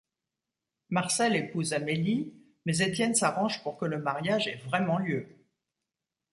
Marcel épouse Amélie, mais Étienne s'arrange pour que le mariage ait vraiment lieu.